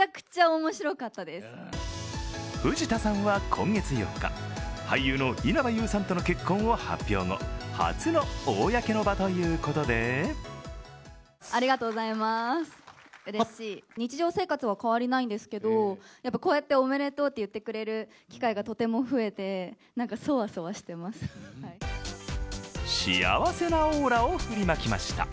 藤田さんは今月４日、俳優の稲葉友さんとの結婚を発表後初の公の場ということで幸せなオーラを振りまきました。